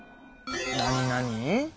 なになに？